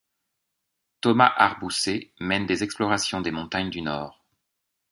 Thomas Arbousset mène des explorations des montagnes du nord.